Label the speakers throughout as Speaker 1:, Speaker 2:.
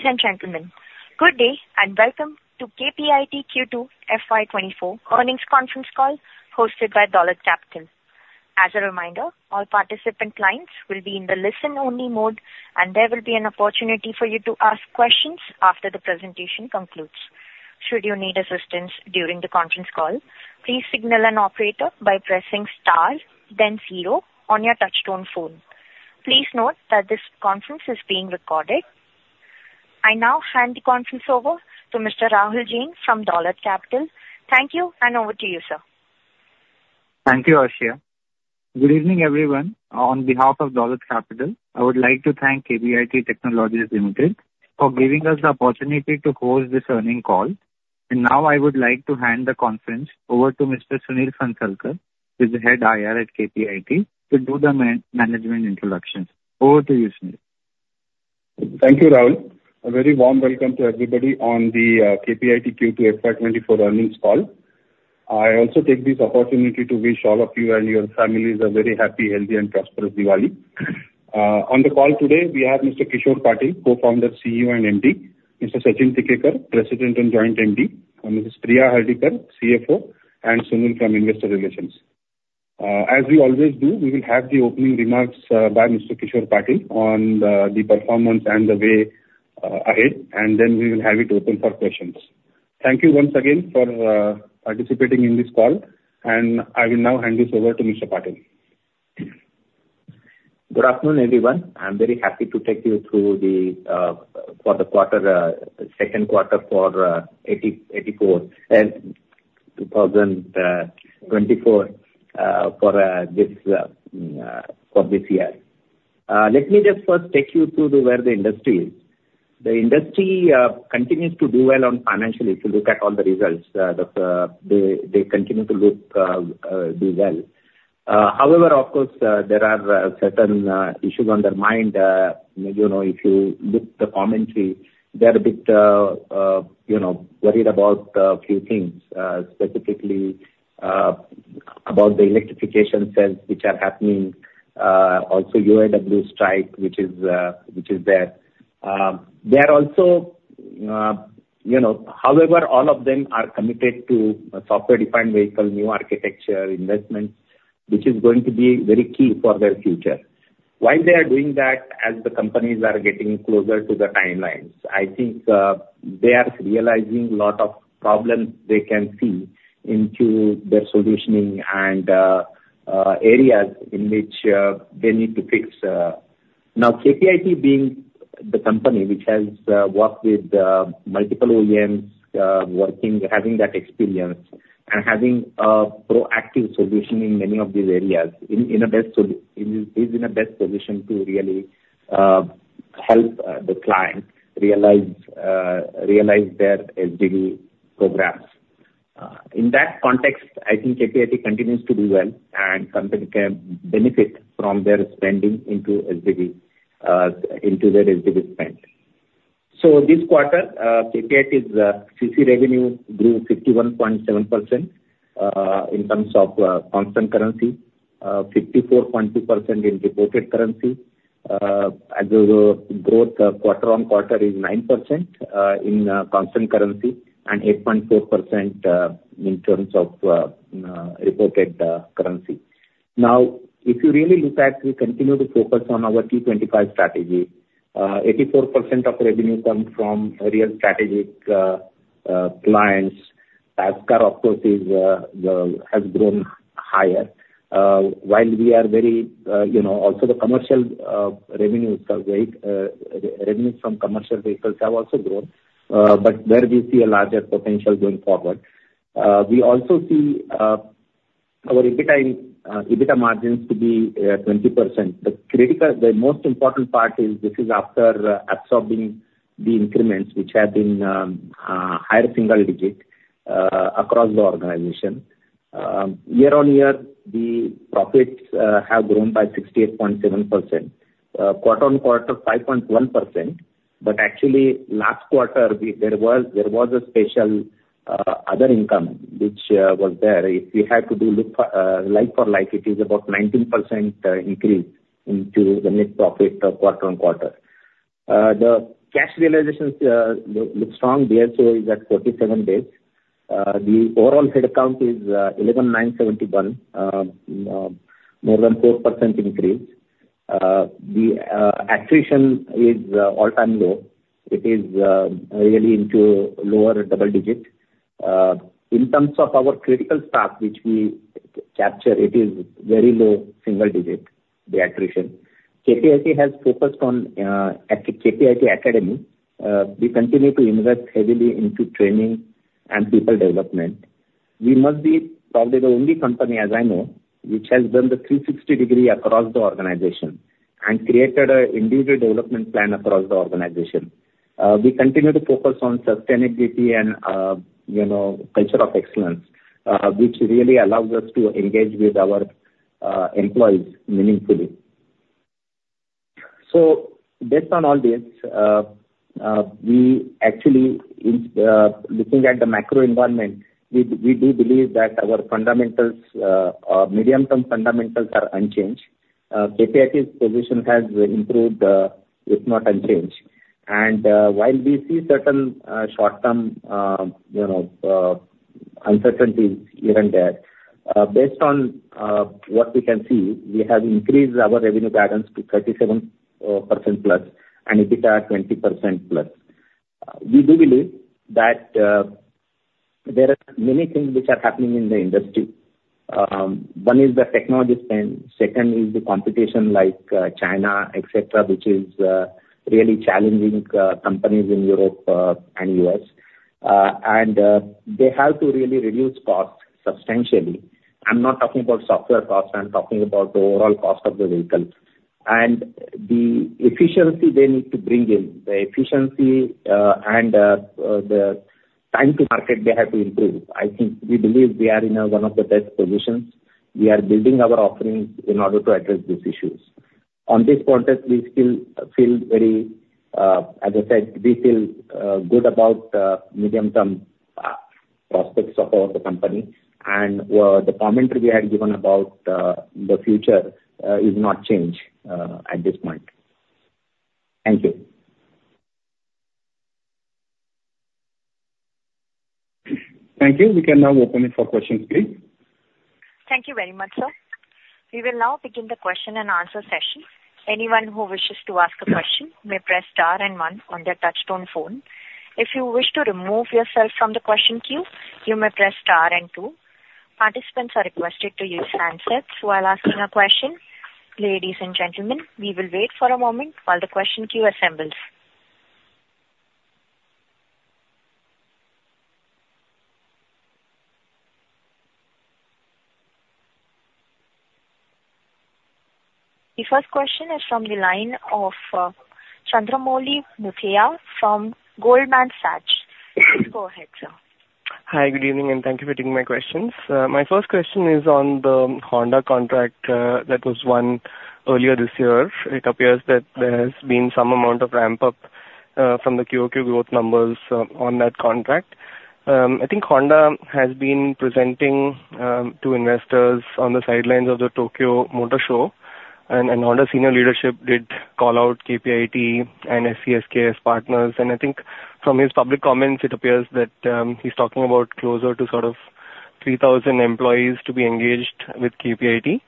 Speaker 1: Ladies and gentlemen, good day, and welcome to KPIT Q2 FY24 earnings conference call, hosted by Dolat Capital. As a reminder, all participant clients will be in the listen-only mode, and there will be an opportunity for you to ask questions after the presentation concludes. Should you need assistance during the conference call, please signal an operator by pressing star then 0 on your touchtone phone. Please note that this conference is being recorded. I now hand the conference over to Mr. Rahul Jain from Dolat Capital. Thank you, and over to you, sir.
Speaker 2: Thank you, Ashia. Good evening, everyone. On behalf of Dolat Capital, I would like to thank KPIT Technologies Limited for giving us the opportunity to host this earnings call. Now I would like to hand the conference over to Mr. Sunil Phansalkar, who's the Head IR at KPIT, to do the management introductions. Over to you, Sunil.
Speaker 3: Thank you, Rahul. A very warm welcome to everybody on the KPIT Q2 FY 2024 earnings call. I also take this opportunity to wish all of you and your families a very happy, healthy, and prosperous Diwali. On the call today, we have Mr. Kishor Patil, Co-founder, CEO and MD, Mr. Sachin Tikekar, President and Joint MD, and Mrs. Priya Hardikar, CFO, and Sunil from Investor Relations. As we always do, we will have the opening remarks by Mr. Kishor Patil on the performance and the way ahead, and then we will have it open for questions. Thank you once again for participating in this call, and I will now hand this over to Mr. Patil.
Speaker 4: Good afternoon, everyone. I'm very happy to take you through the second quarter for 2024 for this year. Let me just first take you through the way the industry is. The industry continues to do well financially. If you look at all the results, they continue to do well. However, of course, there are certain issues on their mind. You know, if you look at the commentary, they're a bit, you know, worried about a few things, specifically about the electrification trends which are happening. Also, UAW strike, which is there. They are also, you know, however, all of them are committed to software-defined vehicle, new architecture, investment, which is going to be very key for their future. Why they are doing that, as the companies are getting closer to the timelines, I think, they are realizing a lot of problems they can see into their solutioning and, areas in which, they need to fix. Now, KPIT being the company which has worked with multiple OEMs, having that experience and having a proactive solution in many of these areas, is in a best position to really help the client realize their SDV programs. In that context, I think KPIT continues to do well, and company can benefit from their spending into SDV, into their SDV spend. So this quarter, KPIT's CC revenue grew 51.7% in terms of constant currency, 54.2% in reported currency. As a growth, quarter-on-quarter is 9% in constant currency, and 8.4% in terms of reported currency. Now, if you really look at, we continue to focus on our T25 strategy. 84% of revenue comes from real strategic clients. AUTOSAR, of course, has grown higher. While we are very, you know, also the commercial revenues are great. Revenues from commercial vehicles have also grown, but there we see a larger potential going forward. We also see our EBITDA margins to be 20%. The critical, the most important part is this is after absorbing the increments, which have been higher single digit across the organization. Year-on-year, the profits have grown by 68.7%. Quarter-on-quarter, 5.1%, but actually, last quarter, there was a special other income which was there. If we had to look for like for like, it is about 19% increase into the net profit of quarter-on-quarter. The cash realizations look strong. DSO is at 37 days. The overall head count is 11,971, more than 4% increase. The attrition is all-time low. It is really into lower double digit. In terms of our critical staff, which we capture, it is very low single digit, the attrition. KPIT has focused on at the KPIT Academy. We continue to invest heavily into training and people development. We must be probably the only company, as I know, which has done the 360-degree across the organization and created a individual development plan across the organization. We continue to focus on sustainability and, you know, culture of excellence, which really allows us to engage with our employees meaningfully. So based on all this, we actually, in looking at the macro environment, we do believe that our fundamentals, medium-term fundamentals are unchanged. KPIT's position has improved, if not unchanged. While we see certain short-term, you know, uncertainties here and there, based on what we can see, we have increased our revenue guidance to 37% plus and EBITDA 20% plus. We do believe that there are many things which are happening in the industry. One is the technology spend, second is the competition like China, et cetera, which is really challenging companies in Europe and U.S. They have to really reduce costs substantially. I'm not talking about software costs, I'm talking about the overall cost of the vehicle. And the efficiency they need to bring in, the efficiency, and the time to market they have to improve. I think we believe we are in one of the best positions. We are building our offerings in order to address these issues. In this context, we still feel very, as I said, we feel good about medium-term prospects of our company. The commentary we had given about the future is not changed at this point. Thank you. Thank you. We can now open it for questions, please.
Speaker 1: Thank you very much, sir. We will now begin the question and answer session. Anyone who wishes to ask a question may press star and one on their touchtone phone. If you wish to remove yourself from the question queue, you may press star and two. Participants are requested to use handsets while asking a question. Ladies and gentlemen, we will wait for a moment while the question queue assembles. The first question is from the line of Chandramouli Nath from Goldman Sachs. Please go ahead, sir.
Speaker 5: Hi, good evening, and thank you for taking my questions. My first question is on the Honda contract that was won earlier this year. It appears that there has been some amount of ramp up from the QoQ growth numbers on that contract. I think Honda has been presenting to investors on the sidelines of the Tokyo Motor Show, and Honda's senior leadership did call out KPIT and SCSK as partners. And I think from his public comments, it appears that he's talking about closer to sort of 3,000 employees to be engaged with KPIT.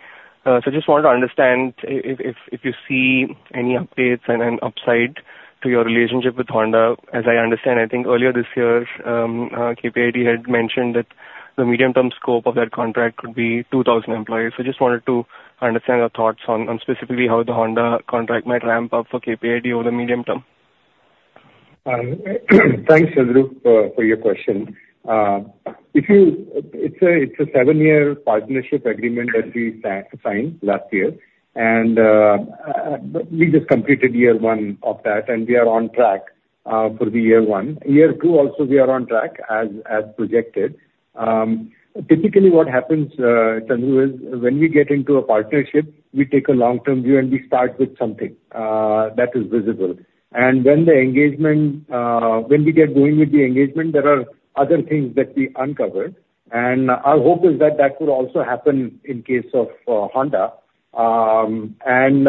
Speaker 5: So just wanted to understand if you see any updates and an upside to your relationship with Honda. As I understand, I think earlier this year, KPIT had mentioned that the medium-term scope of that contract could be 2,000 employees. So just wanted to understand your thoughts on specifically how the Honda contract might ramp up for KPIT over the medium term?
Speaker 6: Thanks, Chandru, for your question. If you... It's a seven-year partnership agreement that we signed last year, and we just completed year one of that, and we are on track for the year one. Year two also, we are on track, as projected. Typically, what happens, Chandru, is when we get into a partnership, we take a long-term view, and we start with something that is visible. And when the engagement, when we get going with the engagement, there are other things that we uncovered, and our hope is that that could also happen in case of Honda. And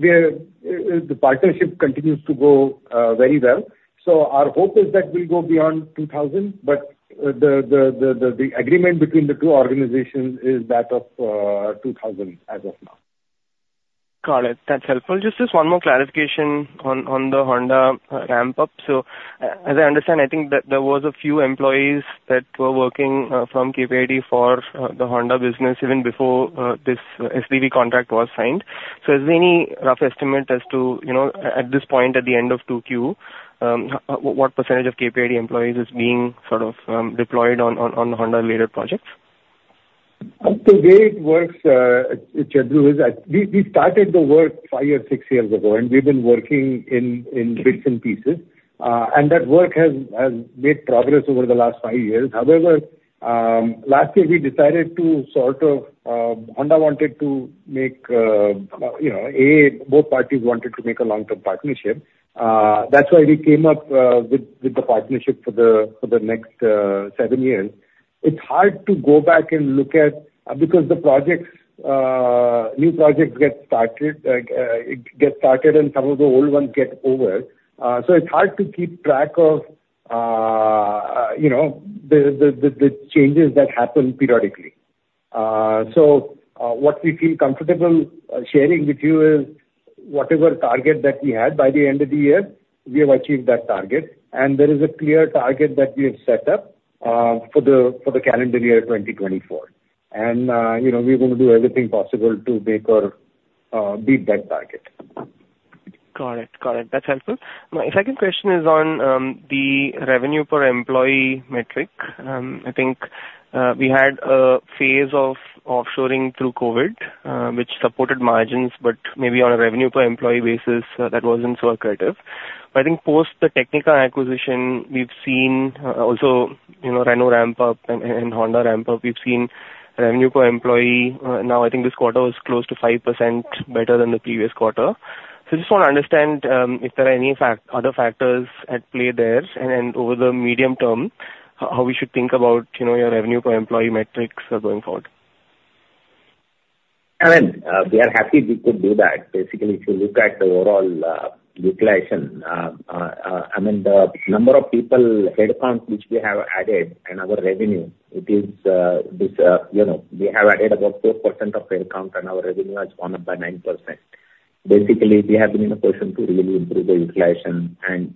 Speaker 6: we're, the partnership continues to go very well.
Speaker 4: So our hope is that we'll go beyond 2000, but the agreement between the two organizations is that of 2000 as of now.
Speaker 5: Got it. That's helpful. Just, just one more clarification on, on the Honda ramp up. So as I understand, I think that there was a few employees that were working from KPIT for the Honda business even before this SDV contract was signed. So is there any rough estimate as to, you know, at this point, at the end of 2Q, what percentage of KPIT employees is being sort of deployed on Honda-related projects?
Speaker 6: The way it works, Chandru, is that we started the work five or six years ago, and we've been working in bits and pieces. And that work has made progress over the last five years. However, last year, we decided to sort of... Honda wanted to make, you know, a both parties wanted to make a long-term partnership. That's why we came up with the partnership for the next seven years. It's hard to go back and look at... Because the projects, new projects get started, it gets started and some of the old ones get over. So it's hard to keep track of, you know, the changes that happen periodically. So, what we feel comfortable sharing with you is whatever target that we had by the end of the year, we have achieved that target, and there is a clear target that we have set up for the calendar year 2024. And, you know, we're going to do everything possible to make or beat that target.
Speaker 5: Got it. Got it. That's helpful. My second question is on the revenue per employee metric. I think we had a phase of offshoring through COVID, which supported margins, but maybe on a revenue per employee basis, that wasn't so accretive. But I think post the Technica acquisition, we've seen also, you know, Renault ramp up and Honda ramp up. We've seen revenue per employee now I think this quarter was close to 5% better than the previous quarter.... So I just want to understand, if there are any other factors at play there, and over the medium term, how we should think about, you know, your revenue per employee metrics, going forward?
Speaker 4: I mean, we are happy we could do that. Basically, if you look at the overall, utilization, I mean, the number of people, headcount which we have added, and our revenue, it is, this, you know, we have added about 4% of headcount, and our revenue has gone up by 9%. Basically, we have been in a position to really improve the utilization, and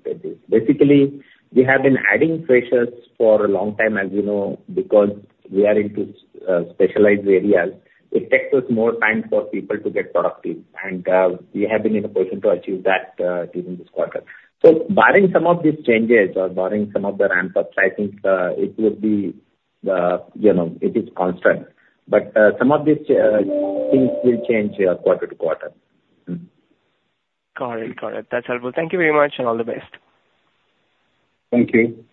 Speaker 4: basically, we have been adding freshers for a long time, as you know, because we are into, specialized areas. It takes us more time for people to get productive, and, we have been in a position to achieve that, during this quarter. So barring some of these changes or barring some of the ramp ups, I think, you know, it is constant. But, some of these things will change, quarter to quarter. Hmm.
Speaker 5: Got it, got it. That's helpful. Thank you very much, and all the best.
Speaker 4: Thank you.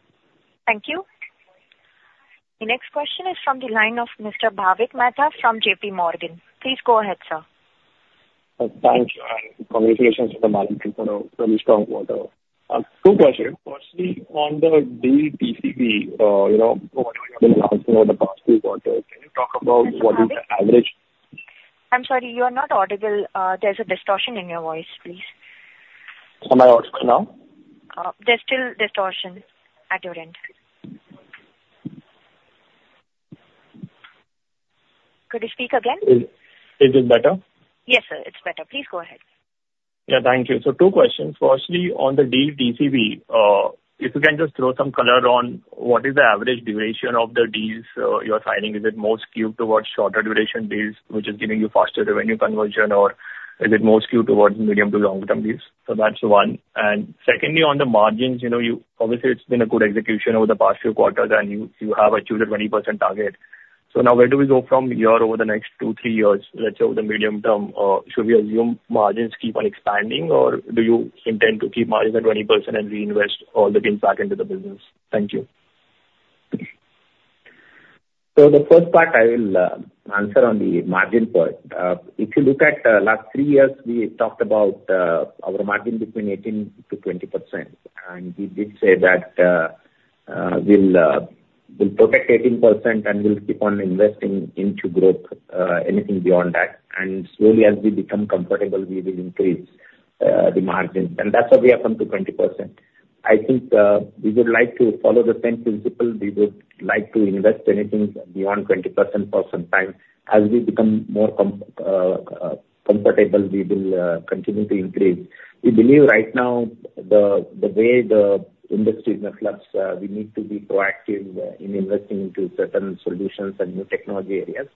Speaker 1: Thank you. The next question is from the line of Mr. Bhavik Mehta from JPMorgan. Please go ahead, sir.
Speaker 7: Thanks, and congratulations on the margin for a really strong quarter. Two questions. Firstly, on the deal TCV, you know, whatever you've been asking over the past few quarters, can you talk about what is the average-
Speaker 1: I'm sorry, you are not audible. There's a distortion in your voice, please.
Speaker 7: Am I audible now?
Speaker 1: There's still distortion at your end. Could you speak again?
Speaker 7: Is it better?
Speaker 1: Yes, sir, it's better. Please go ahead.
Speaker 7: Yeah. Thank you. So two questions. Firstly, on the deal TCV, if you can just throw some color on what is the average duration of the deals you're signing. Is it more skewed towards shorter duration deals, which is giving you faster revenue conversion, or is it more skewed towards medium to long term deals? So that's one. And secondly, on the margins, you know, you obviously it's been a good execution over the past few quarters, and you, you have achieved a 20% target. So now where do we go from here over the next two, three years, let's say over the medium term? Should we assume margins keep on expanding, or do you intend to keep margins at 20% and reinvest all the gains back into the business? Thank you.
Speaker 4: So the first part, I will answer on the margin part. If you look at last three years, we talked about our margin between 18%-20%, and we did say that we'll protect 18% and we'll keep on investing into growth, anything beyond that. Slowly, as we become comfortable, we will increase the margins. That's why we have come to 20%. I think we would like to follow the same principle. We would like to invest anything beyond 20% for some time. As we become more comfortable, we will continue to increase. We believe right now, the way the industry is in a flux, we need to be proactive in investing into certain solutions and new technology areas.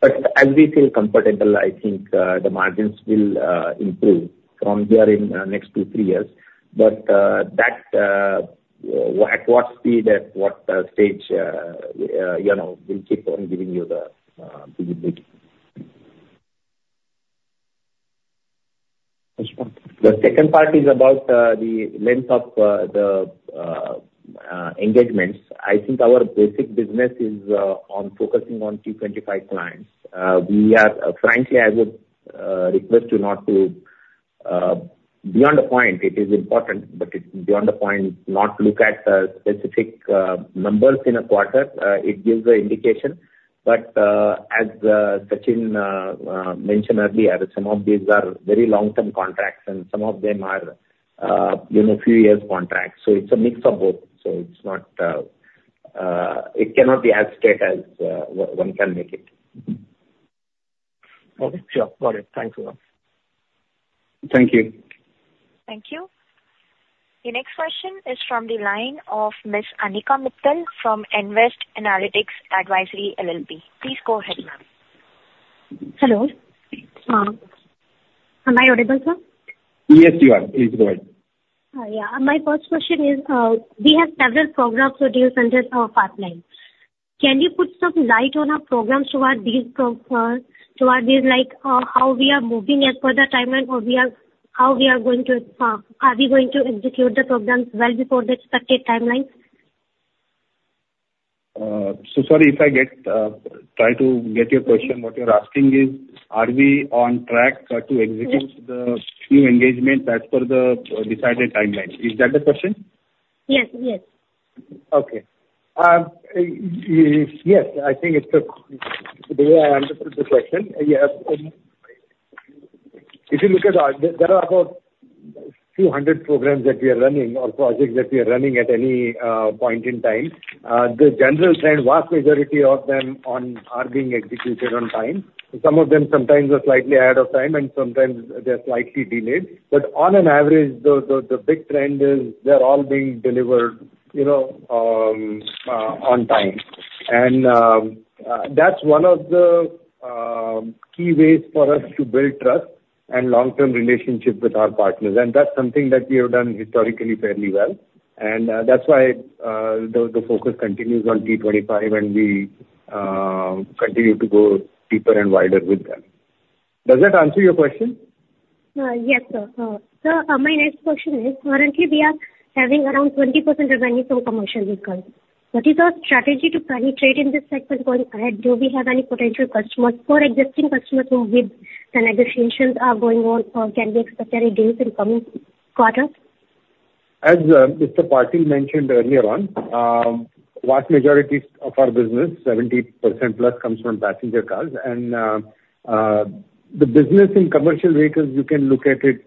Speaker 4: But as we feel comfortable, I think, the margins will improve from here in next 2-3 years. But that, what speed, at what stage, you know, we'll keep on giving you the visibility. Next one. The second part is about the length of the engagements. I think our basic business is on focusing on T25 clients. We are frankly, I would request you not to... Beyond a point it is important, but it, beyond a point, not look at specific numbers in a quarter. It gives an indication, but as Sachin mentioned earlier, some of these are very long-term contracts and some of them are, you know, few years contracts, so it's a mix of both. So, it's not. It cannot be as straight as one can make it.
Speaker 7: Okay, sure. Got it. Thank you, ma'am. Thank you.
Speaker 1: Thank you. The next question is from the line of Ms. Anika Mittal from Nvest Analytics Advisory LLP. Please go ahead, ma'am.
Speaker 8: Hello? Am I audible, sir?
Speaker 4: Yes, you are. Please go ahead.
Speaker 8: Yeah. My first question is, we have several programs with data centers of pipeline. Can you put some light on our programs towards these, like, how we are moving as per the timeline or we are, how we are going to, are we going to execute the programs well before the expected timeline?
Speaker 3: So sorry, try to get your question. What you're asking is, are we on track to execute-
Speaker 8: Yes.
Speaker 3: -the new engagement as per the decided timeline? Is that the question? Yes. Yes.
Speaker 6: Okay. Yes, I think it's the way I understood the question. Yes. If you look at our, there are about a few hundred programs that we are running or projects that we are running at any point in time. The general trend, vast majority of them are being executed on time. Some of them sometimes are slightly ahead of time and sometimes they're slightly delayed. But on an average, the big trend is they're all being delivered, you know, on time. And that's one of the key ways for us to build trust and long-term relationship with our partners, and that's something that we have done historically fairly well. And that's why the focus continues on T25, and we continue to go deeper and wider with them. Does that answer your question?
Speaker 8: Yes, sir. Sir, my next question is: Currently, we are having around 20% revenue from commercial recurring. What is your strategy to penetrate in this segment going ahead? Do we have any potential customers or existing customers who with the negotiations are going on, or can we expect any deals in coming quarters?
Speaker 6: As Mr. Patil mentioned earlier on, vast majority of our business, 70% plus, comes from passenger cars. And the business in commercial vehicles, you can look at it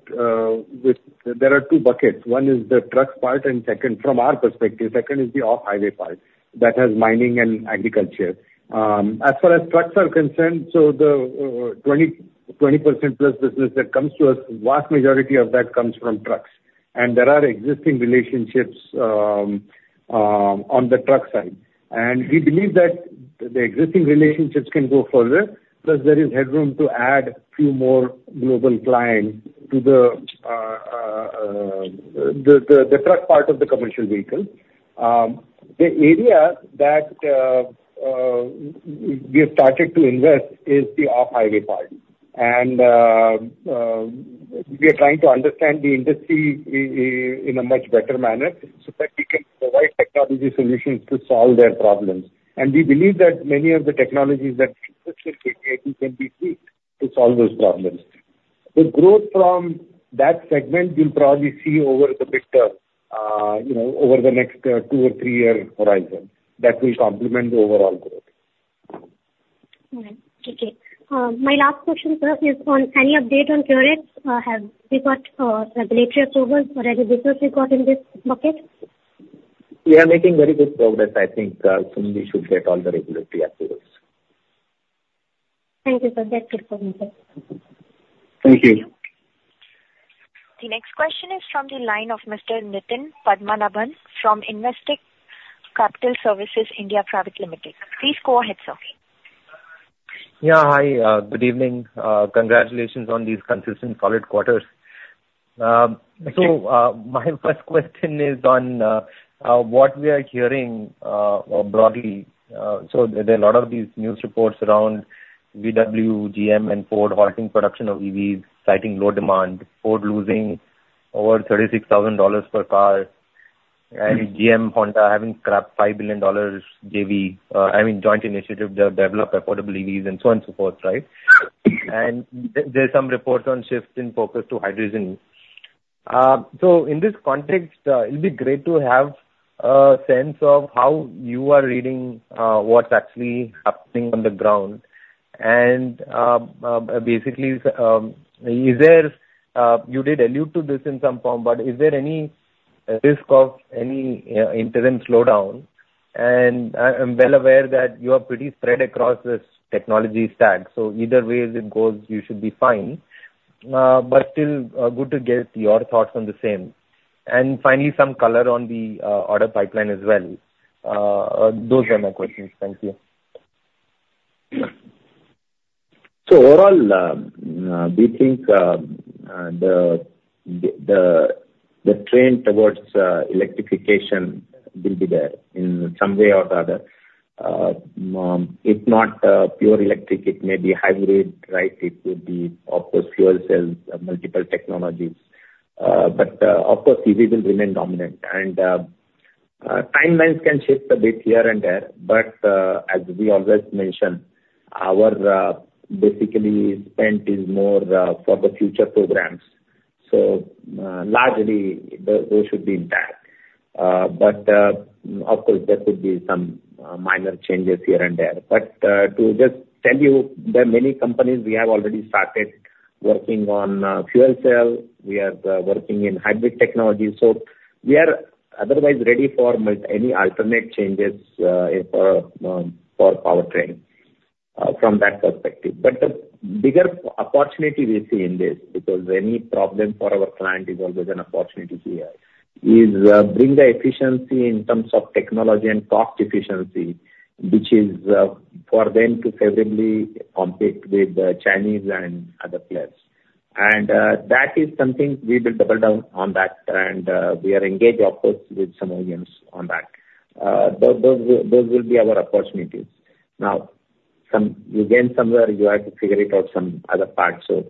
Speaker 6: with two buckets: One is the trucks part, and second, from our perspective, second is the off-highway part. That has mining and agriculture. As far as trucks are concerned, so the twenty percent plus business that comes to us, vast majority of that comes from trucks. And there are existing relationships on the truck side. And we believe that the existing relationships can go further, plus there is headroom to add few more global clients to the truck part of the commercial vehicle. The area that we have started to invest is the off-highway part. We are trying to understand the industry in a much better manner, so that we can provide technology solutions to solve their problems. We believe that many of the technologies that exist can be fixed to solve those problems. The growth from that segment, you'll probably see over the next, you know, over the next, 2- or 3-year horizon, that will complement the overall growth.
Speaker 8: All right. Okay. My last question, sir, is on any update on QORIX? Have we got the regulatory approvals or any business we got in this bucket?
Speaker 4: We are making very good progress. I think, soon we should get all the regulatory approvals.
Speaker 8: Thank you, sir. That's it from me, sir.
Speaker 4: Thank you.
Speaker 1: The next question is from the line of Mr. Nitin Padmanabhan from Investec Capital Services India Private Limited. Please go ahead, sir.
Speaker 9: Yeah, hi. Good evening. Congratulations on these consistent solid quarters. So, my first question is on what we are hearing broadly. So there are a lot of these news reports around VW, GM, and Ford halting production of EVs, citing low demand. Ford losing over $36,000 per car, and GM, Honda, having scrapped $5 billion JV, I mean, joint initiative to develop affordable EVs and so on, so forth, right? And there are some reports on shifts in focus to hydrogen. So in this context, it'd be great to have a sense of how you are reading what's actually happening on the ground. And basically, you did allude to this in some form, but is there any risk of any interim slowdown? I am well aware that you are pretty spread across this technology stack, so either way as it goes, you should be fine. But still, good to get your thoughts on the same. Finally, some color on the order pipeline as well. Those are my questions. Thank you.
Speaker 4: So overall, we think the trend towards electrification will be there in some way or the other. If not pure electric, it may be hybrid, right? It could be, of course, fuel cells, multiple technologies. But of course, EVs will remain dominant. And timelines can shift a bit here and there, but as we always mention, our basically spent is more for the future programs. So largely, those should be intact. But of course, there could be some minor changes here and there. But to just tell you, there are many companies we have already started working on fuel cell, we are working in hybrid technology. So we are otherwise ready for any alternate changes for powertrain from that perspective. But the bigger opportunity we see in this, because any problem for our client is always an opportunity to us, is bring the efficiency in terms of technology and cost efficiency, which is for them to favorably compete with the Chinese and other players. And that is something we will double down on that, and we are engaged, of course, with some OEMs on that. Those will be our opportunities. Now, some, you gain somewhere, you have to figure it out some other parts, so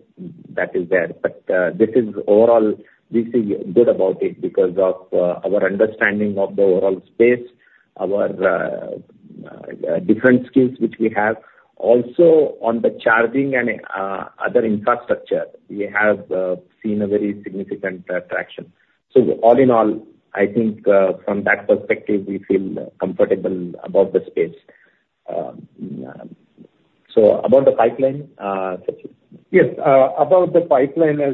Speaker 4: that is there. But this is overall, we feel good about it because of our understanding of the overall space, our different skills which we have. Also, on the charging and other infrastructure, we have seen a very significant traction. So all in all, I think, from that perspective, we feel comfortable about the space. So about the pipeline, Sachin?
Speaker 6: Yes, about the pipeline, as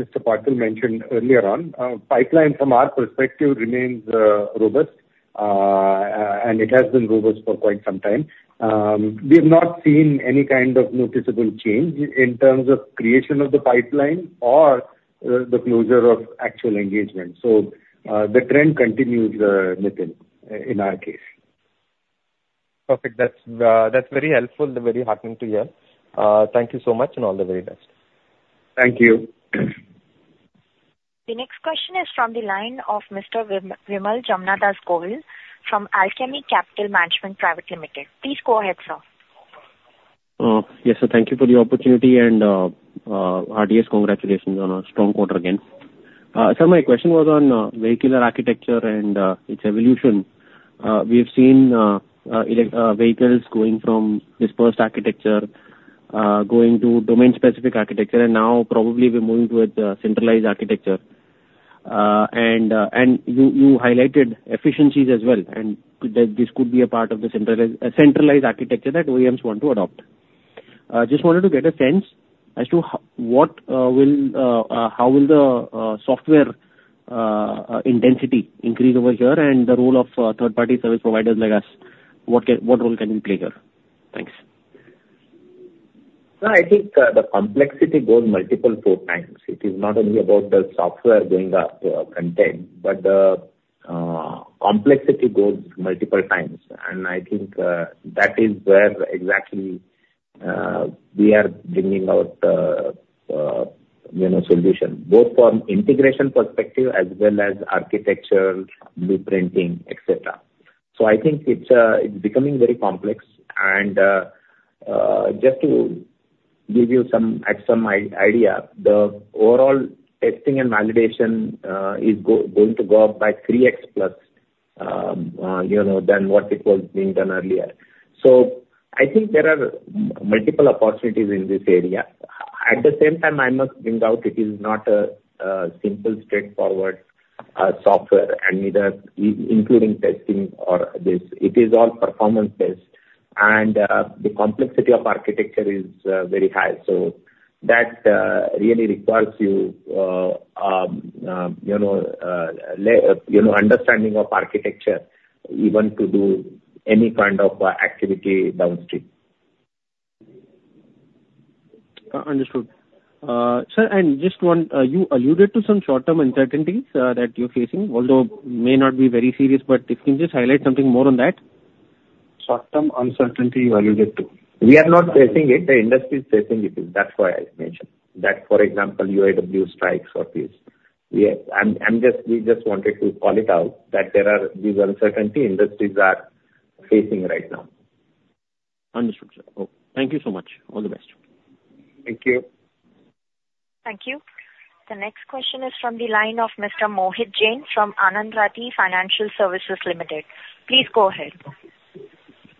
Speaker 6: Mr. Patil mentioned earlier on, pipeline from our perspective remains robust, and it has been robust for quite some time. We've not seen any kind of noticeable change in terms of creation of the pipeline or the closure of actual engagement. So, the trend continues, Nitin, in our case.
Speaker 9: Perfect. That's, that's very helpful and very heartening to hear. Thank you so much, and all the very best.
Speaker 4: Thank you.
Speaker 1: The next question is from the line of Mr. Vimal Jamnadas Gohil from Alchemy Capital Management Private Limited. Please go ahead, sir....
Speaker 10: Yes, sir, thank you for the opportunity, and heartiest congratulations on a strong quarter again. Sir, my question was on vehicular architecture and its evolution. We have seen vehicles going from dispersed architecture, going to domain-specific architecture, and now probably we're moving toward centralized architecture. And you highlighted efficiencies as well, and that this could be a part of the centralized architecture that OEMs want to adopt. I just wanted to get a sense as to how will the software intensity increase over here, and the role of third-party service providers like us, what role can we play here? Thanks.
Speaker 4: Sir, I think the complexity goes multiple four times. It is not only about the software going up in 10, but the complexity goes multiple times. And I think that is where exactly we are bringing out you know solution, both from integration perspective as well as architectural blueprinting, et cetera. So I think it's becoming very complex. And just to give you some idea, the overall testing and validation is going to go up by 3x plus you know than what it was being done earlier. So I think there are multiple opportunities in this area. At the same time, I must bring out it is not a simple, straightforward software, and neither including testing or this, it is all performance-based, and the complexity of architecture is very high. So that really requires you, you know, lay, you know, understanding of architecture, even to do any kind of activity downstream.
Speaker 10: Understood. Sir, and just one, you alluded to some short-term uncertainties that you're facing, although may not be very serious, but if you can just highlight something more on that?
Speaker 4: Short-term uncertainty you alluded to. We are not facing it, the industry is facing it. That's why I mentioned. That, for example, UAW strikes or this. We are... I'm just—we just wanted to call it out, that there are these uncertainties the industries are facing right now.
Speaker 10: Understood, sir. Okay, thank you so much. All the best.
Speaker 4: Thank you.
Speaker 1: Thank you. The next question is from the line of Mr. Mohit Jain from Anand Rathi Financial Services Limited. Please go ahead.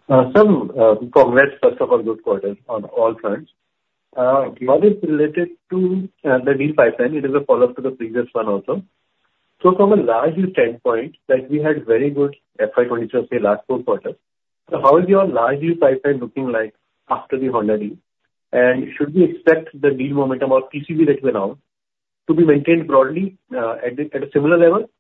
Speaker 11: Sir, congrats, first of all, good quarter on all fronts. One is related to the deal pipeline. It is a follow-up to the previous one also. So from a large viewpoint, like, we had very good FY 2022, say, last four quarters. So how is your large deal pipeline looking like after the Honda deal? And should we expect the deal momentum or PCV that you announced to be maintained broadly, at a similar level?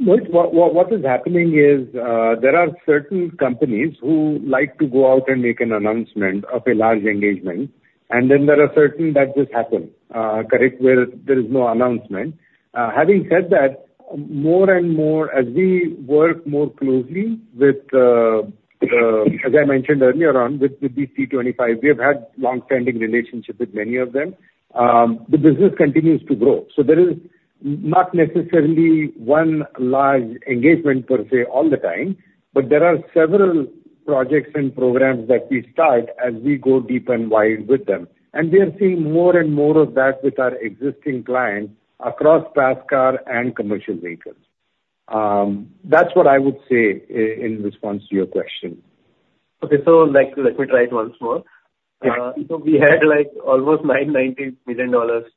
Speaker 4: Mohit, what is happening is, there are certain companies who like to go out and make an announcement of a large engagement, and then there are certain that just happen, correct? Where there is no announcement. Having said that, more and more as we work more closely with, as I mentioned earlier on, with the T-25, we have had long-standing relationships with many of them. The business continues to grow. So there is not necessarily one large engagement per se, all the time, but there are several projects and programs that we start as we go deep and wide with them. And we are seeing more and more of that with our existing clients across passenger car and commercial vehicles. That's what I would say in response to your question.
Speaker 11: Okay. Like, let me try it once more.
Speaker 4: Yes.
Speaker 11: So we had, like, almost $990 million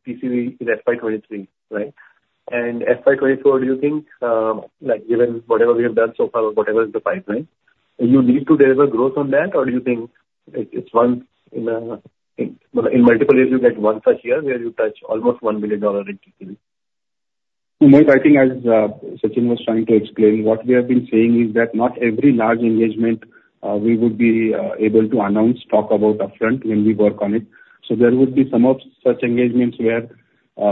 Speaker 11: PCV in FY 2023, right? And FY 2024, do you think, like given whatever we have done so far or whatever is the pipeline, you need to deliver growth on that? Or do you think it, it's once in a multiple years, you get one such year where you touch almost $1 million in PCV?
Speaker 3: Mohit, I think as Sachin was trying to explain, what we have been saying is that not every large engagement we would be able to announce, talk about upfront when we work on it. So there would be some of such engagements where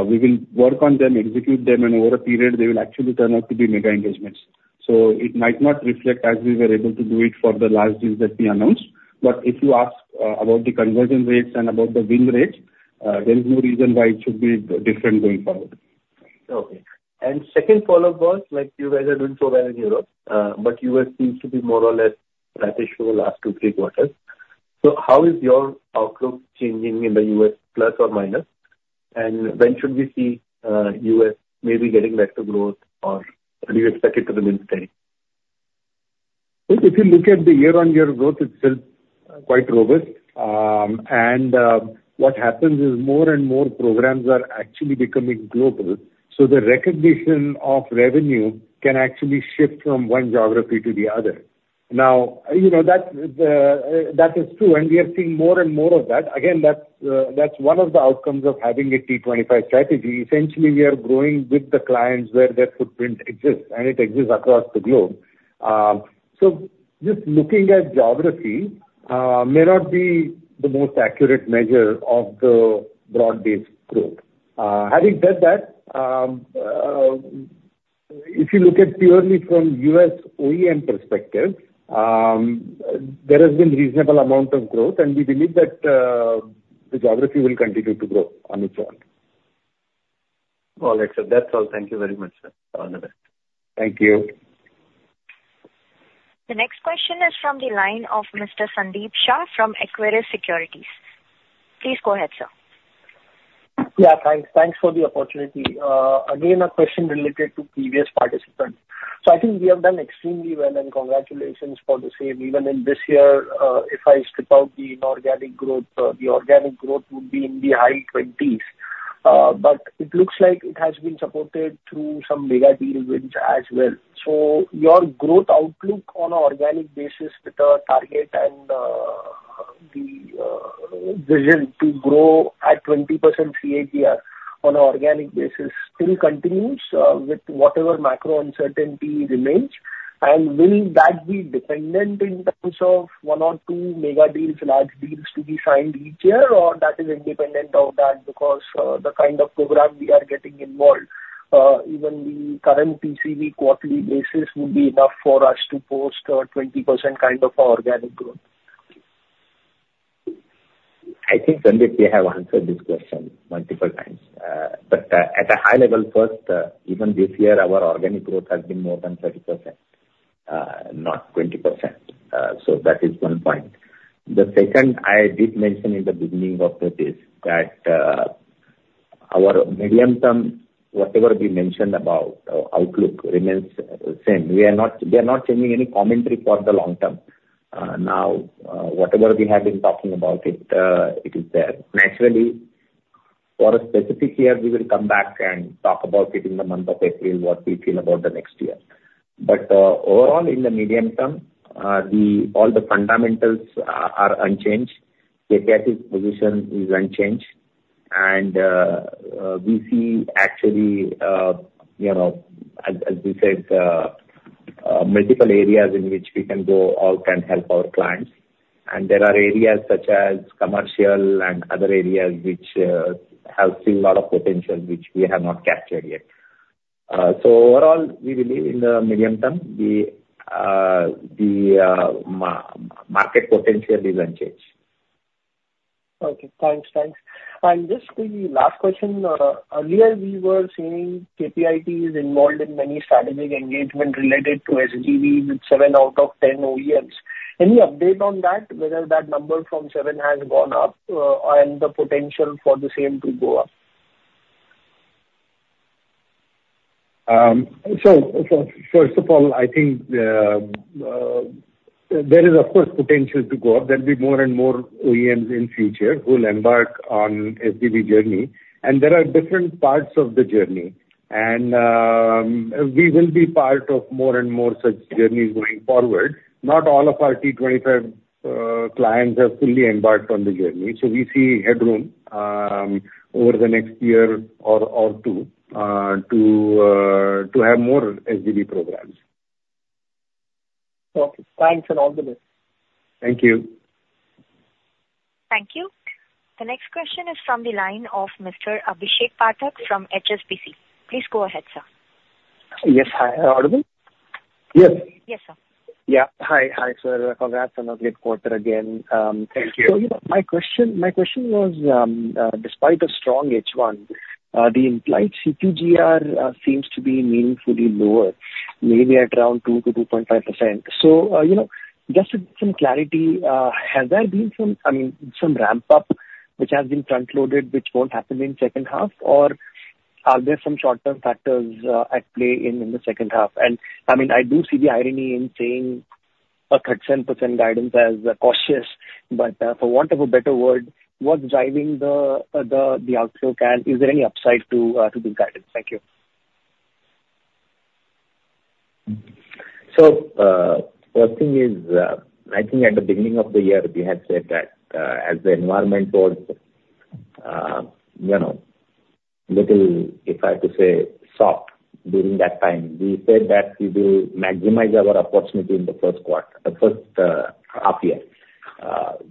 Speaker 3: we will work on them, execute them, and over a period, they will actually turn out to be mega engagements. So it might not reflect as we were able to do it for the large deals that we announced. But if you ask about the conversion rates and about the win rates, there is no reason why it should be different going forward.
Speaker 11: Okay. And second follow-up was, like you guys are doing so well in Europe, but U.S. seems to be more or less flattish over the last two, three quarters. So how is your outlook changing in the U.S., plus or minus? And when should we see, U.S. maybe getting back to growth, or do you expect it to remain steady?
Speaker 6: If you look at the year-on-year growth, it's still quite robust. And what happens is more and more programs are actually becoming global, so the recognition of revenue can actually shift from one geography to the other. Now, you know, that's that is true, and we are seeing more and more of that. Again, that's one of the outcomes of having a T-25 strategy. Essentially, we are growing with the clients where their footprint exists, and it exists across the globe. So just looking at geography may not be the most accurate measure of the broad-based growth. Having said that, if you look at purely from U.S. OEM perspective, there has been reasonable amount of growth, and we believe that the geography will continue to grow on its own....
Speaker 11: All right, sir. That's all. Thank you very much, sir. All the best.
Speaker 6: Thank you.
Speaker 1: The next question is from the line of Mr. Sandeep Shah from Equirus Securities. Please go ahead, sir.
Speaker 12: Yeah, thanks. Thanks for the opportunity. Again, a question related to previous participants. So I think we have done extremely well, and congratulations for the same. Even in this year, if I strip out the inorganic growth, the organic growth would be in the high 20s. But it looks like it has been supported through some mega deal wins as well. So your growth outlook on an organic basis with the target and, the, vision to grow at 20% CAGR on an organic basis still continues, with whatever macro uncertainty remains? And will that be dependent in terms of one or two mega deals, large deals to be signed each year, or that is independent of that? Because, the kind of program we are getting involved, even the current TCV quarterly basis would be enough for us to post a 20% kind of organic growth.
Speaker 4: I think, Sandeep, we have answered this question multiple times. But, at a high level first, even this year, our organic growth has been more than 30%, not 20%. So that is one point. The second, I did mention in the beginning of the day, that, our medium term, whatever we mentioned about, outlook remains same. We are not, we are not changing any commentary for the long term. Now, whatever we have been talking about it, it is there. Naturally, for a specific year, we will come back and talk about it in the month of April, what we feel about the next year. But, overall, in the medium term, all the fundamentals are, are unchanged. KPIT's position is unchanged, and we see actually, you know, as we said, multiple areas in which we can go out and help our clients. There are areas such as commercial and other areas which have seen a lot of potential, which we have not captured yet. So overall, we believe in the medium term, the market potential is unchanged.
Speaker 12: Okay. Thanks. Thanks. Just the last question. Earlier we were seeing KPIT is involved in many strategic engagement related to SDV with 7 out of 10 OEMs. Any update on that, whether that number from 7 has gone up, and the potential for the same to go up?
Speaker 6: So, first of all, I think, there is of course, potential to go up. There'll be more and more OEMs in future who will embark on SDV journey, and there are different parts of the journey. And, we will be part of more and more such journeys going forward. Not all of our T-25, clients have fully embarked on the journey, so we see headroom, over the next year or two, to have more SDV programs.
Speaker 12: Okay, thanks a lot.
Speaker 4: Thank you.
Speaker 1: Thank you. The next question is from the line of Mr. Abhishek Pathak from HSBC. Please go ahead, sir.
Speaker 13: Yes. Hi, audible?
Speaker 4: Yes.
Speaker 1: Yes, sir.
Speaker 13: Yeah. Hi, hi, sir. Congrats on a great quarter again.
Speaker 4: Thank you.
Speaker 13: So, you know, my question, my question was, despite a strong H1, the implied CQGR seems to be meaningfully lower, maybe at around 2%-2.5%. So, you know, just some clarity, has there been some, I mean, some ramp up, which has been front-loaded, which won't happen in second half? Or are there some short-term factors at play in, in the second half? And I mean, I do see the irony in saying a 37% guidance as cautious, but, for want of a better word, what's driving the, the, the outlook? And is there any upside to, to the guidance? Thank you.
Speaker 4: So, first thing is, I think at the beginning of the year, we had said that, as the environment was, you know, little, if I have to say, soft during that time, we said that we will maximize our opportunity in the first quarter, the first, half year.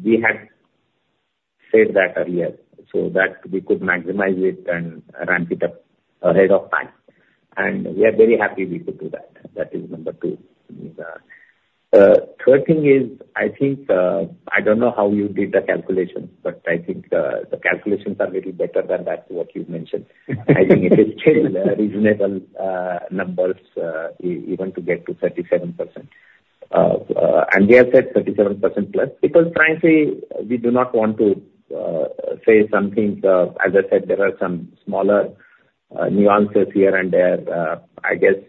Speaker 4: We had said that earlier, so that we could maximize it and ramp it up ahead of time. And we are very happy we could do that. That is number two. Third thing is, I think, I don't know how you did the calculation, but I think, the calculations are little better than that, what you mentioned. I think it is still reasonable, numbers, even to get to 37%. And we have said 37% plus, because frankly, we do not want to, say something. As I said, there are some smaller, nuances here and there. I guess,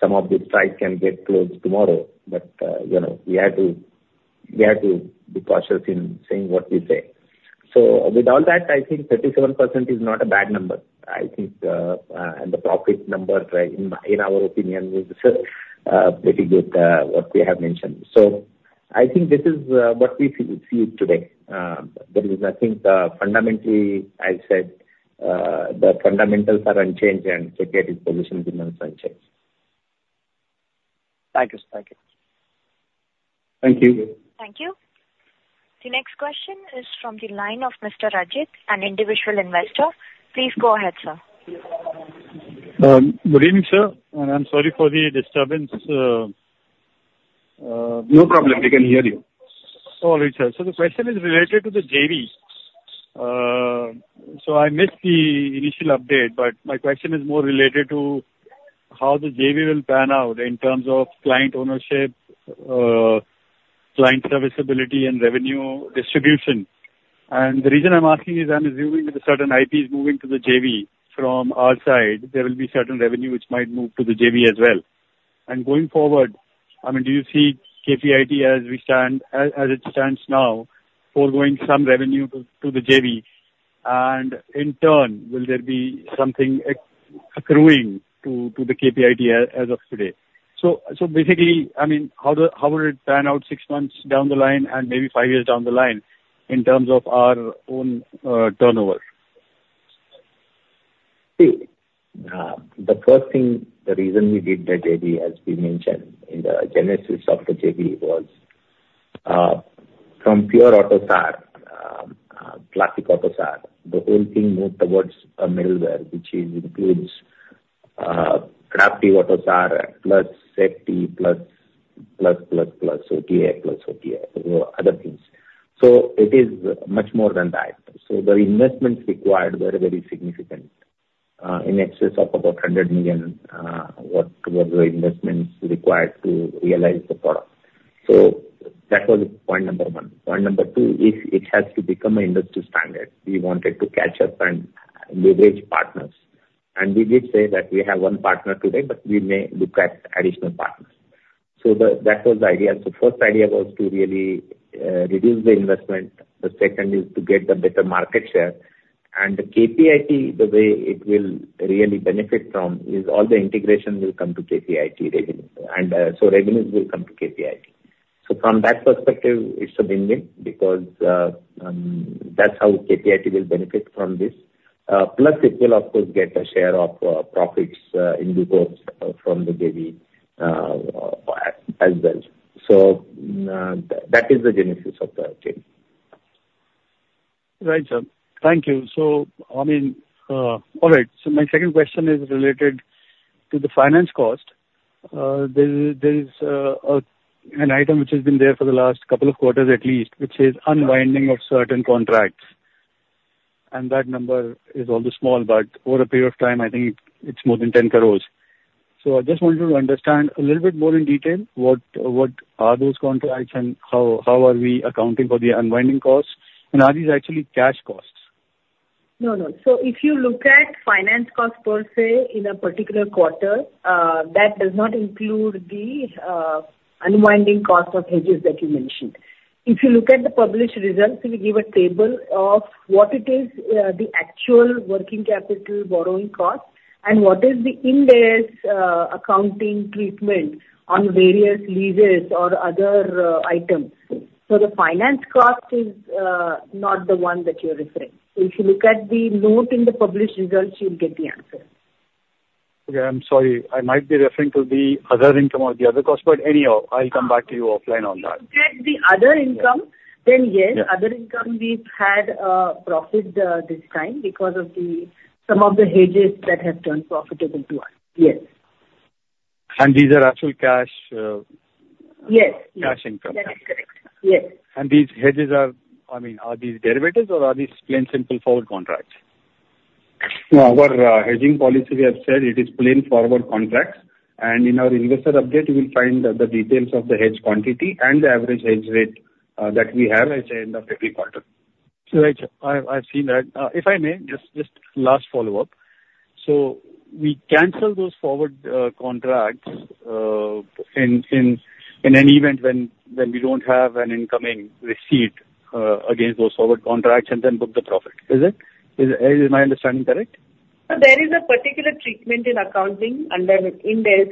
Speaker 4: some of the strikes can get closed tomorrow, but, you know, we have to, we have to be cautious in saying what we say. So with all that, I think 37% is not a bad number. I think, and the profit number, right, in our, in our opinion, is, pretty good, what we have mentioned. So I think this is, what we see, we see today. There is nothing, fundamentally I said, the fundamentals are unchanged and KPIT's position remains unchanged.
Speaker 13: Thank you, sir. Thank you.
Speaker 4: Thank you.
Speaker 1: Thank you. The next question is from the line of Mr. Rajit, an individual investor. Please go ahead, sir.
Speaker 14: Good evening, sir, and I'm sorry for the disturbance. ...
Speaker 4: No problem. We can hear you.
Speaker 14: All right, sir. So the question is related to the JV. So I missed the initial update, but my question is more related to how the JV will pan out in terms of client ownership, client serviceability and revenue distribution. And the reason I'm asking is, I'm assuming that the certain IP is moving to the JV from our side, there will be certain revenue which might move to the JV as well. And going forward, I mean, do you see KPIT as it stands now, foregoing some revenue to the JV, and in turn, will there be something accruing to the KPIT as of today? So basically, I mean, how will it pan out six months down the line and maybe five years down the line in terms of our own turnover?
Speaker 4: See, the first thing, the reason we did the JV, as we mentioned in the genesis of the JV, was, from pure AUTOSAR, classic AUTOSAR, the whole thing moved towards a middleware, which is includes, classic AUTOSAR plus safety, plus, plus, plus, plus OTA, plus OTA, other things. So it is much more than that. So the investments required were very significant, in excess of about $100 million worth of investments required to realize the product. So that was point number one. Point number two is it has to become an industry standard. We wanted to catch up and leverage partners, and we did say that we have one partner today, but we may look at additional partners. So that was the idea. So first idea was to really, reduce the investment. The second is to get the better market share. And the KPIT, the way it will really benefit from, is all the integration will come to KPIT revenue. And, so revenues will come to KPIT. So from that perspective, it's a win-win because, that's how KPIT will benefit from this. Plus, it will of course, get a share of, profits, in due course, from the JV, as well. So, that is the genesis of the JV.
Speaker 14: Right, sir. Thank you. So I mean... All right, so my second question is related to the finance cost. There is a, an item which has been there for the last couple of quarters at least, which is unwinding of certain contracts, and that number is always small, but over a period of time, I think it's more than 10 crore. So I just wanted to understand a little bit more in detail what are those contracts and how are we accounting for the unwinding costs? And are these actually cash costs?
Speaker 15: No, no. So if you look at finance costs per se, in a particular quarter, that does not include the unwinding cost of hedges that you mentioned. If you look at the published results, we give a table of what it is, the actual working capital borrowing cost and what is the indirect accounting treatment on various leases or other items. So the finance cost is not the one that you're referring. If you look at the note in the published results, you'll get the answer.
Speaker 14: Okay. I'm sorry. I might be referring to the other income or the other cost, but anyhow, I'll come back to you offline on that.
Speaker 15: If you look at the other income-
Speaker 14: Yeah.
Speaker 15: -then, yes.
Speaker 14: Yeah.
Speaker 15: Other income, we've had profit this time because of some of the hedges that have turned profitable to us. Yes.
Speaker 14: These are actual cash,
Speaker 15: Yes.
Speaker 14: Cash income?
Speaker 15: That is correct. Yes.
Speaker 14: These hedges are, I mean, are these derivatives or are these plain, simple forward contracts?
Speaker 3: No, our hedging policy, we have said it is plain forward contracts, and in our investor update, you will find the details of the hedge quantity and the average hedge rate that we have at the end of every quarter.
Speaker 14: So, I've seen that. If I may, just last follow-up. So we cancel those forward contracts in an event when we don't have an incoming receipt against those forward contracts and then book the profit. Is it? Is my understanding correct?
Speaker 15: There is a particular treatment in accounting under Ind AS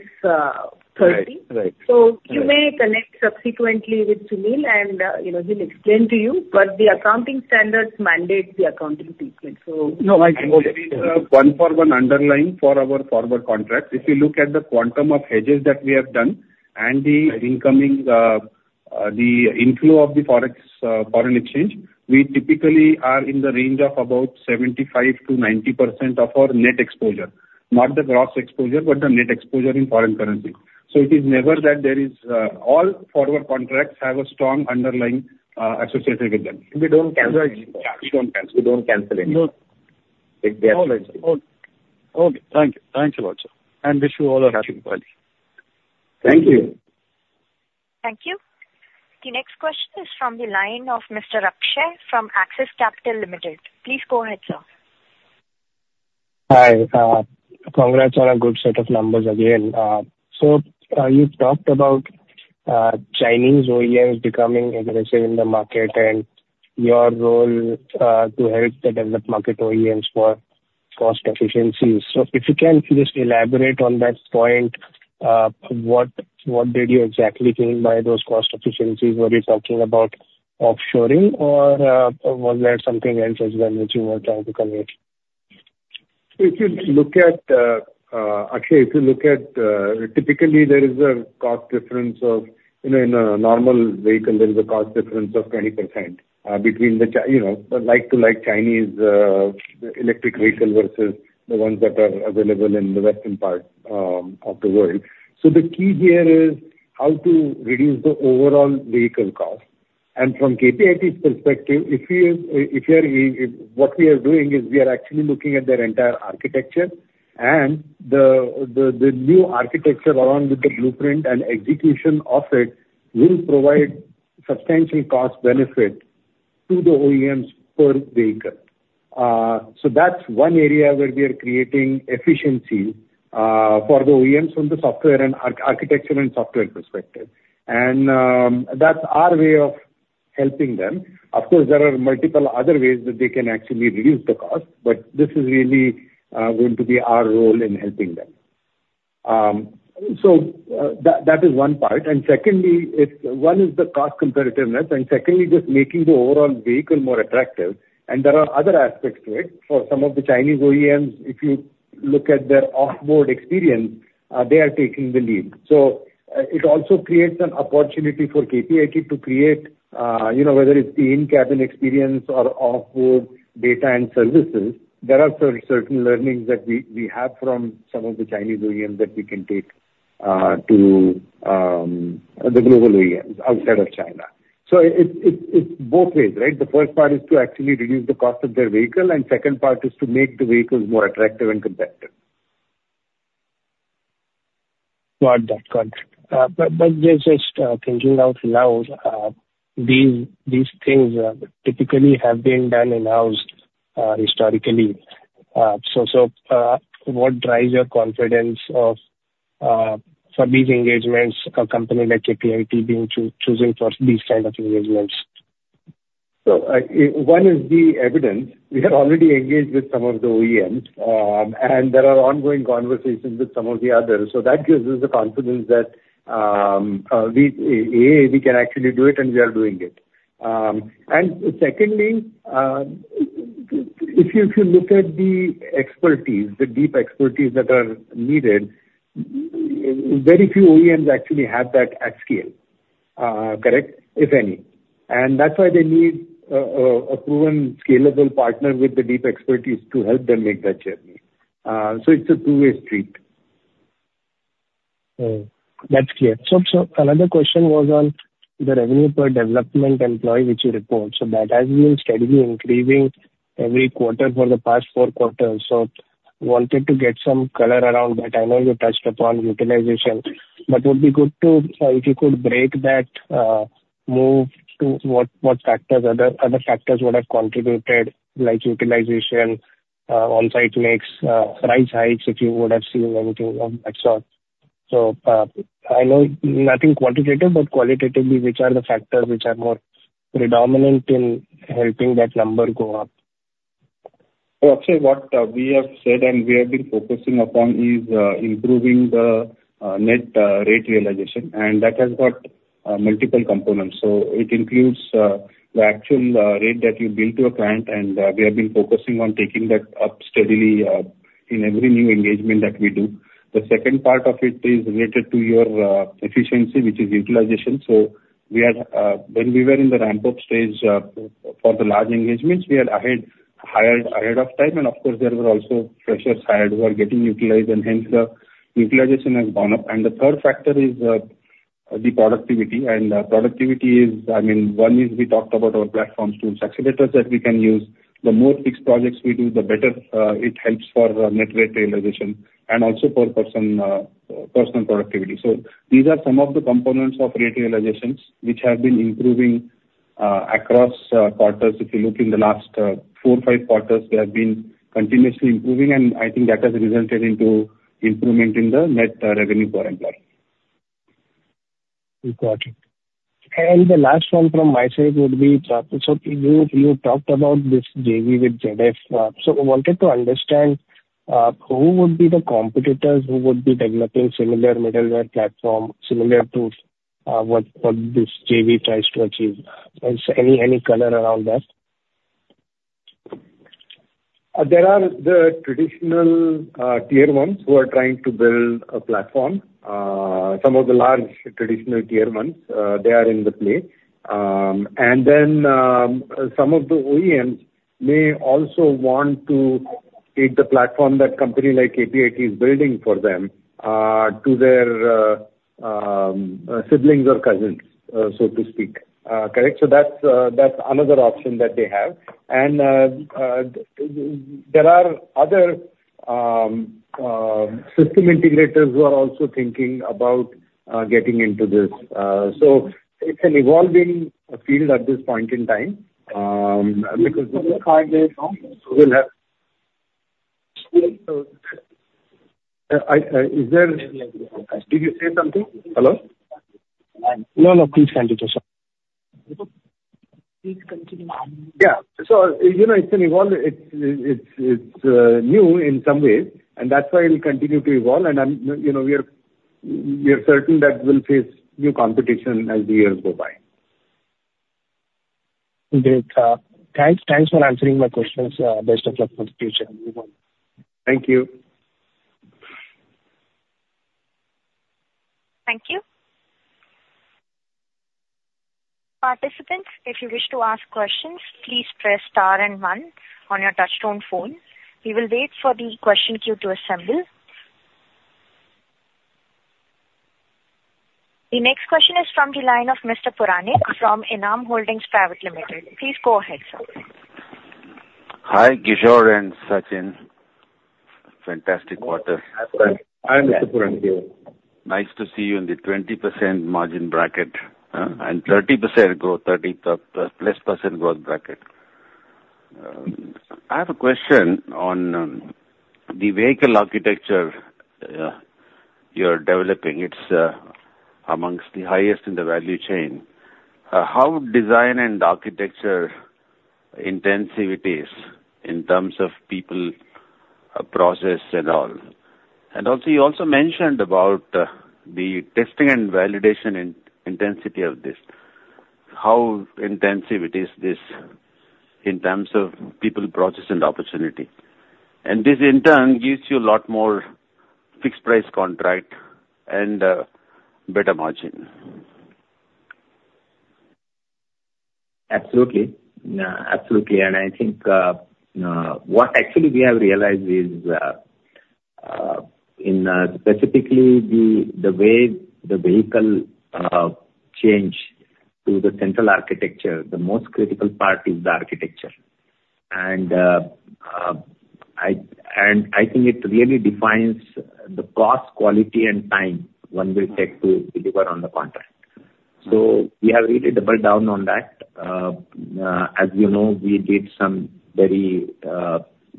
Speaker 15: 13.
Speaker 14: Right, right.
Speaker 15: So you may connect subsequently with Sunil, and, you know, he'll explain to you, but the accounting standards mandate the accounting treatment. So-
Speaker 14: No, I...
Speaker 3: One for, one underline for our forward contracts. If you look at the quantum of hedges that we have done and the incoming, the inflow of the Forex, foreign exchange, we typically are in the range of about 75%-90% of our net exposure, not the gross exposure, but the net exposure in foreign currency. So it is never that there is, all forward contracts have a strong underlying, associated with them. We don't cancel, we don't cancel, we don't cancel anything.
Speaker 14: No.
Speaker 4: They are right.
Speaker 14: Okay. Thank you. Thanks a lot, sir, and wish you all a happy party.
Speaker 4: Thank you.
Speaker 15: Thank you. The next question is from the line of Mr. Akshay from Axis Capital Limited. Please go ahead, sir.
Speaker 16: Hi, congrats on a good set of numbers again. So, you talked about Chinese OEMs becoming aggressive in the market and your role to help the developed market OEMs for cost efficiencies. So if you can just elaborate on that point, what did you exactly mean by those cost efficiencies? Were you talking about offshoring or was there something else as well, which you were trying to convey?
Speaker 6: If you look at, Akshay, if you look at, typically there is a cost difference of, you know, in a normal vehicle, there is a cost difference of 20%, between the, you know, the like-to-like Chinese, electric vehicle versus the ones that are available in the western part of the world. So the key here is how to reduce the overall vehicle cost. And from KPIT's perspective, what we are doing is we are actually looking at their entire architecture, and the new architecture, along with the blueprint and execution of it, will provide substantial cost benefit to the OEMs per vehicle. So that's one area where we are creating efficiency, for the OEMs from the software and architecture and software perspective. That's our way of helping them. Of course, there are multiple other ways that they can actually reduce the cost, but this is really going to be our role in helping them. That is one part, and secondly, it's one is the cost competitiveness, and secondly, just making the overall vehicle more attractive. There are other aspects to it. For some of the Chinese OEMs, if you look at their off-board experience, they are taking the lead. It also creates an opportunity for KPIT to create, you know, whether it's the in-cabin experience or off-board data and services, there are certain learnings that we have from some of the Chinese OEMs that we can take to the global OEMs outside of China. It's both ways, right? The first part is to actually reduce the cost of their vehicle, and second part is to make the vehicles more attractive and competitive.
Speaker 16: Got that. Got it. But just thinking out loud, these things typically have been done in-house historically. So what drives your confidence for these engagements, a company like KPIT being chosen for these kind of engagements?
Speaker 6: So, one is the evidence. We have already engaged with some of the OEMs, and there are ongoing conversations with some of the others, so that gives us the confidence that we can actually do it, and we are doing it. And secondly, if you look at the expertise, the deep expertise that are needed, very few OEMs actually have that at scale, correct? If any. And that's why they need a proven, scalable partner with the deep expertise to help them make that journey. So it's a two-way street.
Speaker 16: Hmm. That's clear. So, so another question was on the revenue per development employee which you report. So that has been steadily increasing every quarter for the past four quarters. So wanted to get some color around that. I know you touched upon utilization, but would be good to, if you could break that, more to what, what factors, other, other factors would have contributed, like utilization, on-site mix, price hikes, if you would have seen anything of that sort. So, I know nothing quantitative, but qualitatively, which are the factors which are more predominant in helping that number go up?
Speaker 3: So Akshay, what, we have said and we have been focusing upon is, improving the, net, rate realization, and that has got, multiple components. So it includes, the actual, rate that you bill to a client, and, we have been focusing on taking that up steadily, in every new engagement that we do. The second part of it is related to your, efficiency, which is utilization. So we are, when we were in the ramp-up stage, for the large engagements, we had ahead, hired ahead of time, and of course, there were also freshers hired who are getting utilized, and hence the utilization has gone up. And the third factor is, the productivity, and, productivity is, I mean, one is we talked about our platform tools, accelerators that we can use. The more fixed projects we do, the better. It helps for net rate realization and also for personal productivity. So these are some of the components of rate realizations which have been improving across quarters. If you look in the last 4, 5 quarters, they have been continuously improving, and I think that has resulted into improvement in the net revenue per employee.
Speaker 16: Got it. The last one from my side would be, so you talked about this JV with ZF. So I wanted to understand who would be the competitors who would be developing similar middleware platform, similar to what this JV tries to achieve? Any color around that?
Speaker 6: There are the traditional tier ones who are trying to build a platform. Some of the large traditional tier ones, they are in the play. And then, some of the OEMs may also want to take the platform that company like KPIT is building for them, to their, siblings or cousins, so to speak. Correct? So that's, that's another option that they have. And, there are other, system integrators who are also thinking about, getting into this. So it's an evolving field at this point in time, because-
Speaker 16: Five years from-
Speaker 6: We'll have... Is there... Did you say something? Hello?
Speaker 16: No, no. Please continue, sir.
Speaker 1: Please continue on.
Speaker 6: Yeah. So, you know, it's new in some ways, and that's why it'll continue to evolve. And, you know, we are certain that we'll face new competition as the years go by.
Speaker 16: Great, thanks. Thanks for answering my questions. Best of luck for the future.
Speaker 6: Thank you.
Speaker 1: Thank you. Participants, if you wish to ask questions, please press star and one on your touchtone phone. We will wait for the question queue to assemble. The next question is from the line of Mr. Puranik from Enam Holdings Private Limited. Please go ahead, sir.
Speaker 17: Hi, Kishor and Sachin. Fantastic quarter.
Speaker 4: Hi, Mr. Puranik.
Speaker 17: Nice to see you in the 20% margin bracket, and 30% growth, 30+% growth bracket. I have a question on, the vehicle architecture, you're developing. It's, amongst the highest in the value chain. How design and architecture intensive it is in terms of people, process and all? And also, you also mentioned about, the testing and validation intensity of this. How intensive it is this, in terms of people, process, and opportunity? And this, in turn, gives you a lot more fixed price contract and, better margin.
Speaker 4: Absolutely. Absolutely, and I think what actually we have realized is, in specifically the way the vehicle change to the central architecture, the most critical part is the architecture. And I think it really defines the cost, quality, and time one will take to deliver on the contract. So we have really doubled down on that. As you know, we did some very,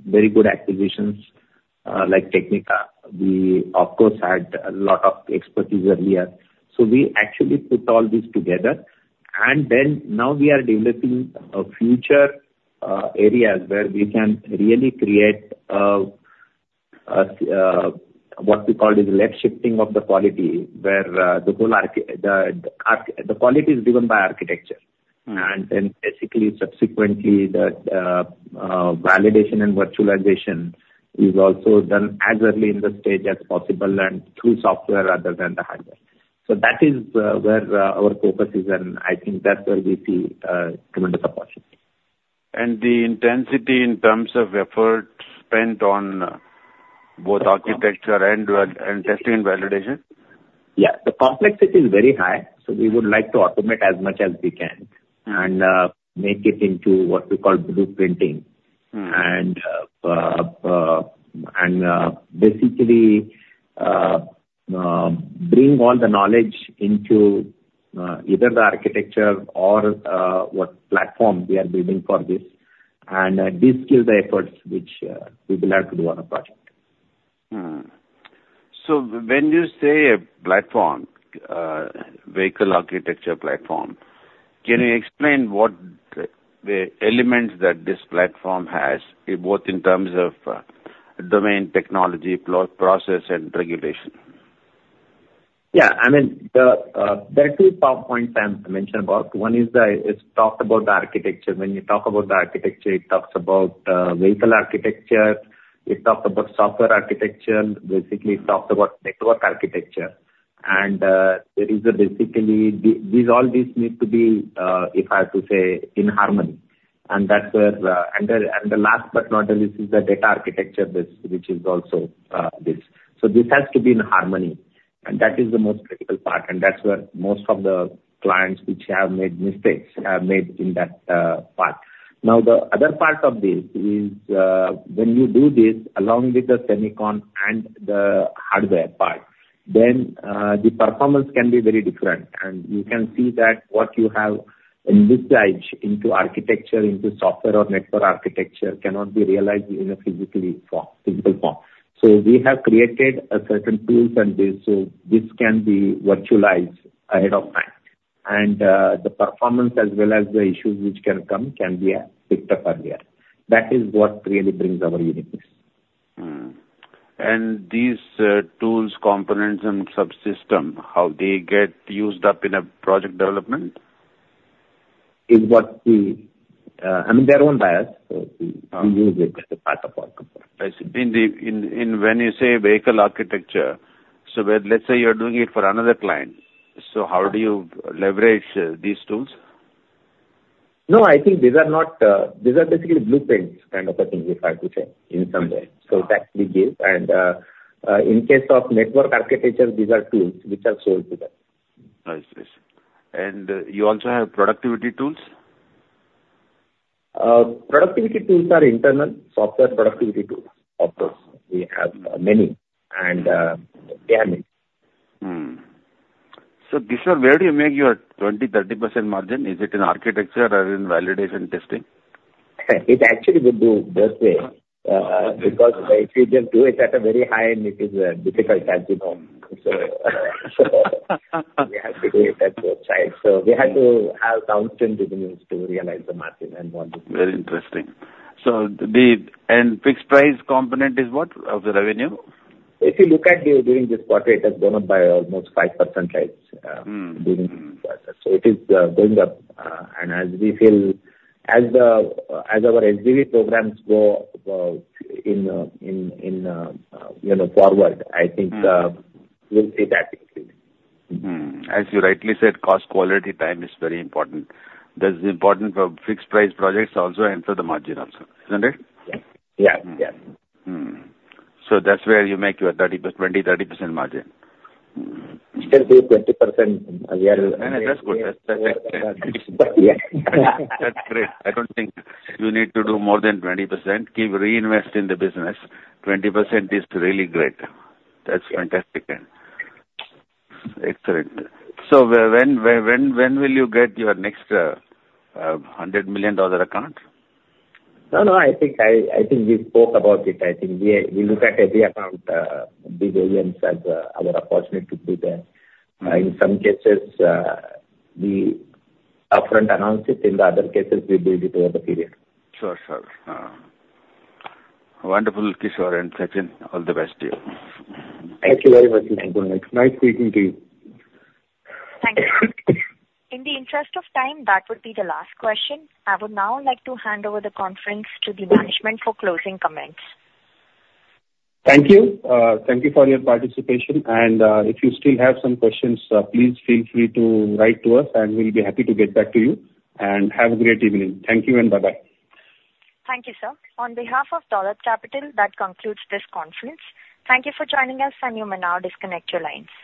Speaker 4: very good acquisitions, like Technica. We of course had a lot of expertise earlier. So we actually put all this together, and then now we are developing future areas where we can really create what we call the left shifting of the quality, where the whole architecture—the quality is driven by architecture.
Speaker 17: Mm-hmm.
Speaker 4: And then basically, subsequently, the validation and virtualization is also done as early in the stage as possible and through software, rather than the hardware. So that is where our focus is, and I think that's where we see tremendous opportunity.
Speaker 17: The intensity in terms of effort spent on both architecture and R&D and testing and validation?
Speaker 4: Yeah. The complexity is very high, so we would like to automate as much as we can-
Speaker 17: Mm.
Speaker 4: and, make it into what we call blueprinting.
Speaker 17: Mm.
Speaker 4: Basically, bring all the knowledge into either the architecture or what platform we are building for this, and de-skill the efforts, which we will have to do on a project.
Speaker 17: So when you say a platform, vehicle architecture platform, can you explain what the elements that this platform has, both in terms of, domain technology, process, and regulation?
Speaker 4: Yeah. I mean, the, there are two PowerPoints I want to mention about. One is the, it talks about the architecture. When you talk about the architecture, it talks about vehicle architecture, it talks about software architecture, basically it talks about network architecture. And there is basically. These, all these need to be, if I have to say, in harmony, and that's where, and the, and the last but not the least, is the data architecture, this, which is also this. So this has to be in harmony, and that is the most critical part, and that's where most of the clients which have made mistakes, have made in that part. Now, the other part of this is, when you do this, along with the semicon and the hardware part, then the performance can be very different. You can see that what you have in this E/E architecture, in the software or network architecture, cannot be realized in a physical form, physical form. So we have created certain tools and this, so this can be virtualized ahead of time. The performance as well as the issues which can come can be picked up earlier. That is what really brings our uniqueness.
Speaker 17: These tools, components, and subsystem, how they get used up in a project development?
Speaker 4: Is what we, I mean, they're owned by us, so we...
Speaker 17: Uh.
Speaker 4: We use it as a part of our component.
Speaker 17: I see. When you say vehicle architecture, so where, let's say you're doing it for another client, so how do you leverage these tools?
Speaker 4: No, I think these are not, these are basically blueprints kind of a thing, if I have to say, in some way.
Speaker 17: Mm.
Speaker 4: So that we give, and in case of network architecture, these are tools which are sold to them.
Speaker 17: I see. And you also have productivity tools?
Speaker 4: Productivity tools are internal, software productivity tools. Of course, we have many and they are many.
Speaker 17: Kishor, where do you make your 20%-30% margin? Is it in architecture or in validation testing?
Speaker 4: It actually would be both way, because if you just do it at a very high end, it is difficult, as you know. So we have to do it at both sides. So we have to have constant business to realize the margin and what it is.
Speaker 17: Very interesting. So the... and fixed price component is what, of the revenue?
Speaker 4: If you look at the, during this quarter, it has gone up by almost 5%, right?
Speaker 17: Mm, mm.
Speaker 4: So it is going up, and as we feel, as our SDV programs go, you know, forward, I think-
Speaker 17: Mm.
Speaker 4: We'll see that increase.
Speaker 17: As you rightly said, cost, quality, time is very important. That's important for fixed price projects also, and for the margin also, isn't it?
Speaker 4: Yeah. Yeah.
Speaker 17: That's where you make your 20%-30% margin.
Speaker 4: It will be 20%. We are-
Speaker 17: No, no, that's good.
Speaker 4: Yeah.
Speaker 17: That's great. I don't think you need to do more than 20%. Keep reinvest in the business. 20% is really great. That's fantastic and excellent. So when will you get your next $100 million account?
Speaker 4: No, no, I think we spoke about it. I think we look at every account, billions as our opportunity to do that. In some cases, we upfront announce it, in the other cases, we build it over the period.
Speaker 17: Sure, sure. Wonderful, Kishor and Sachin. All the best to you.
Speaker 4: Thank you very much. Nice speaking to you.
Speaker 1: Thank you. In the interest of time, that would be the last question. I would now like to hand over the conference to the management for closing comments.
Speaker 3: Thank you. Thank you for your participation, and if you still have some questions, please feel free to write to us, and we'll be happy to get back to you. Have a great evening. Thank you and bye-bye.
Speaker 1: Thank you, sir. On behalf of Dolat Capital, that concludes this conference. Thank you for joining us, and you may now disconnect your lines.